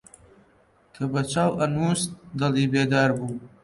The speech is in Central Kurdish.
کە بە چاو ئەنووست دڵی بێدار بوو